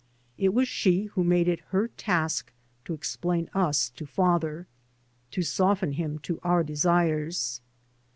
It was she who made it her task to explain us to father, to soften him to our desires.